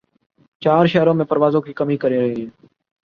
چار شہرو ں میں پروازوں کی کمی کر رہے ہیں